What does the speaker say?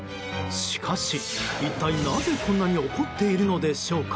しかし一体なぜ、こんなに怒っているのでしょうか？